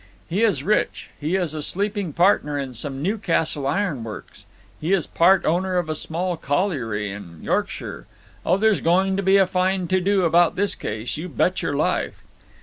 He is rich; he is a sleeping partner in some Newcastle iron works, he is part owner of a small colliery in Yorkshire. Oh, there's going to be a fine to do about this case, you bet your life!"